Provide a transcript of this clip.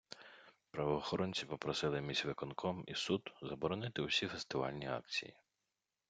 Правоохоронці попросили міськвиконком і суд заборонити усі фестивальні акції.